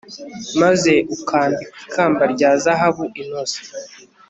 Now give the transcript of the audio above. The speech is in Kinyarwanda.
maze ukamwambika ikamba rya zahabu inoze